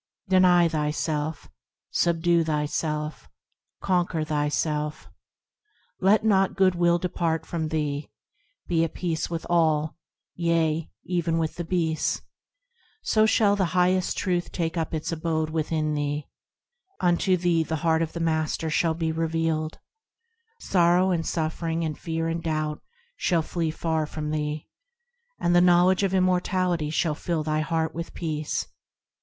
Deny thyself ; Subdue thyself ; Conquer thyself. Let not goodwill depart from thee ; Be at peace with all, yea, even with the beasts, So shall the highest Truth take up its abode within thee ; Unto thee the heart of the Master shall be revealed; Sorrow and suffering and fear and doubt shall flee far from thee, And the knowledge of immortality shall fill thy heart with peace.